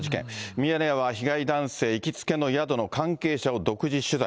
ミヤネ屋は被害男性行きつけの宿の関係者を独自取材。